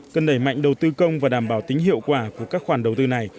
cần đẩy mạnh đầu tư công và đảm bảo tính hiệu quả của các khoản đầu tư này